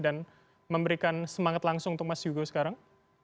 dan memberikan semangat langsung untuk mas hugo sekarang